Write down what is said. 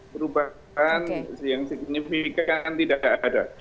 perubahan yang signifikan tidak ada